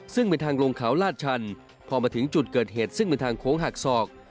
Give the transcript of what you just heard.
ซึ่งเป็นทางลงเขาลาดชันพอมาถึงจุดเกิดเหตุซึ่งเป็นทางโค้งหักศอก